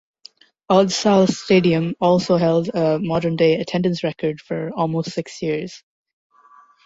Odsal Stadium also held a modern-day attendance record for almost six years.